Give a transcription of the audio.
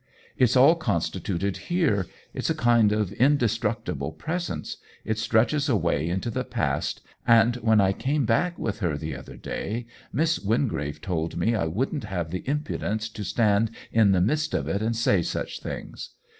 It's all constituted here, it's a kind of inde structible presence, it stretches away into the past, and when I came back with her the other day Miss Wingrave told me I wouldn't have the impudence to stand in the midsl of it and say such things.